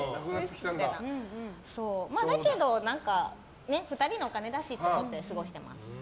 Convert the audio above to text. だけど、２人のお金だしと思って過ごしてます。